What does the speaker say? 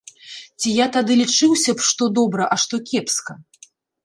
Ці я тады лічыўся б што добра, а што кепска?